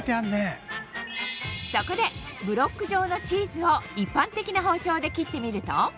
そこでブロック状のチーズを一般的な包丁で切ってみると。